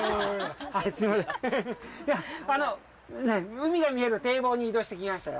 海が見える堤防に移動してきましたよ。